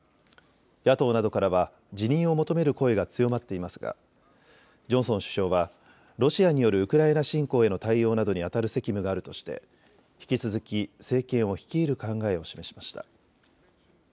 野党などからは辞任を求める声が強まっていますがジョンソン首相はロシアによるウクライナ侵攻への対応などにあたる責務があるとして引き続き政権を率いる考えを示しました。